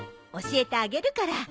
教えてあげるから。